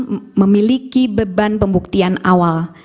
yang memiliki beban pembuktian awal